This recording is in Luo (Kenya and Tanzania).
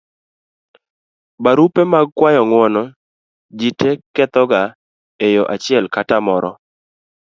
barupe mag kuayo ng'uono; jite kethoga e yo achiel kata moro